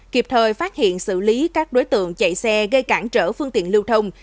kịp thời phát hiện xử lý các đối tượng chạy xe gây cản trở phương tiện lưu thông